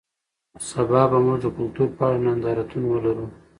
سبا به موږ د کلتور په اړه نندارتون ولرو.